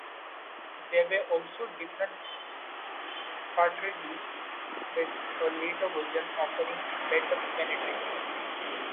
There were also different cartridges, with a later version offering better penetration.